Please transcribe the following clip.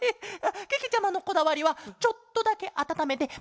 けけちゃまのこだわりはちょっとだけあたためてパクパクおくちに。